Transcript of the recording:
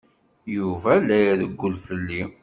Yuba la irewwel fell-i.